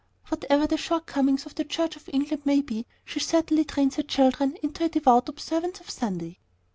Whatever the shortcomings of the Church of England may be, she certainly trains her children into a devout observance of Sunday.